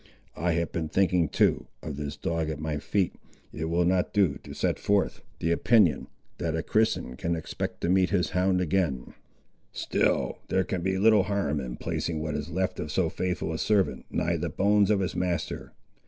I have been thinking too, of this dog at my feet; it will not do to set forth the opinion, that a Christian can expect to meet his hound again; still there can be little harm in placing what is left of so faithful a servant nigh the bones of his master."